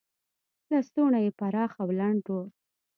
لستوڼي یې پراخ او لنډ و.